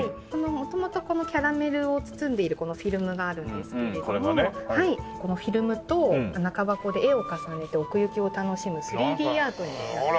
元々このキャラメルを包んでいるこのフィルムがあるんですけれどもこのフィルムと中箱で絵を重ねて奥行きを楽しむ３Ｄアートになっております。